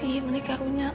opi menikah punya aku ya